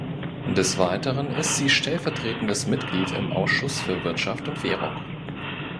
Des Weiteren ist sie stellvertretendes Mitglied im Ausschuss für Wirtschaft und Währung.